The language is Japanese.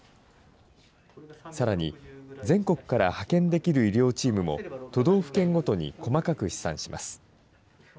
さらに、全国から派遣できる医療チームも、都道府県ごとに細かく試算します。